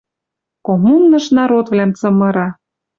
Коммуныш народвлӓм цымыра.